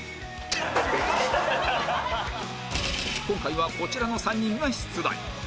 今回はこちらの３人が出題